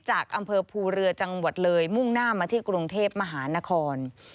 จากอำเภอภูเรือจังหวัดเลยมุ่งหน้ามาที่กรุงเทพมหานคร